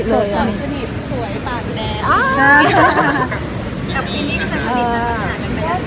เดี๋ยวนี้เทอดเทาะอะไรนะคะ